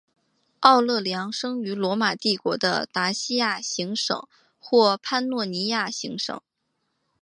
奥勒良生于罗马帝国的达西亚行省或潘诺尼亚行省。